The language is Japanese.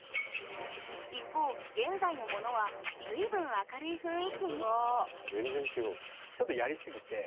一方現在のものは随分明るい雰囲気にほんとだ。